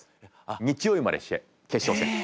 日曜日まで試合決勝戦。